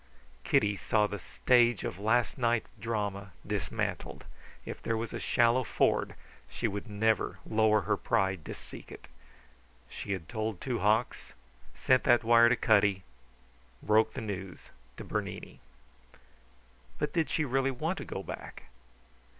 Kitty saw the stage of last night's drama dismantled. If there was a shallow ford, she would never lower her pride to seek it. She had told Two Hawks, sent that wire to Cutty, broke the news to Bernini. But did she really want to go back?